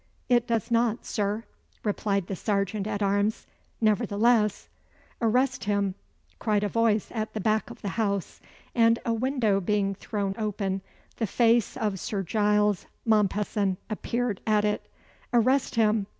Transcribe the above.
"It does not, Sir," replied the serjeant at arms. "Nevertheless " "Arrest him!" cried a voice at the back of the house, and a window being thrown open, the face of Sir Giles Mompesson appeared at it "Arrest him!"